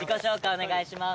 お願いします。